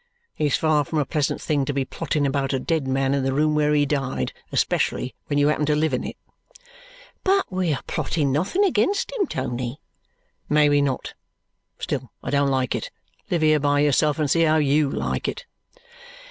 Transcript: "It's far from a pleasant thing to be plotting about a dead man in the room where he died, especially when you happen to live in it." "But we are plotting nothing against him, Tony." "May be not, still I don't like it. Live here by yourself and see how YOU like it."